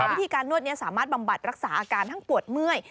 วิธีการนวดนี้สามารถบำบัดรักษาอาการทั้งปวดเมื่อย